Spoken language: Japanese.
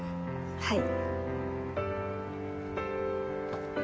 はい。